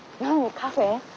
カフェ？